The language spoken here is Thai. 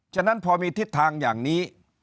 ฉะนั้นพอมีทิศทางอย่างนี้